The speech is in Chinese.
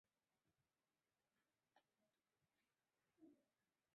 包箨矢竹为禾本科青篱竹属下的一个种。